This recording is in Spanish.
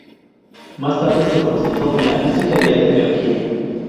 Más tarde se concentró en la física de alta energía.